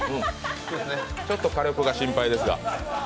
ちょっと火力が心配ですが。